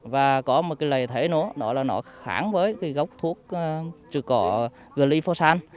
và có một cái lợi thế nữa đó là nó kháng với cái gốc thuốc trừ cỏ glyphosan